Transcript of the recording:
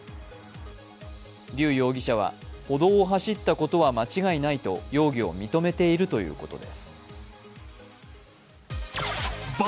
リュウ容疑者は、歩道を走ったことは間違いないと容疑を認めているということです。